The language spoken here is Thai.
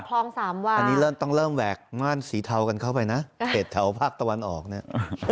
คลองสามวาอันนี้เริ่มต้องเริ่มแหวกม่านสีเทากันเข้าไปนะเขตแถวภาคตะวันออกเนี่ย